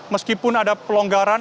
meskipun ada pelonggaran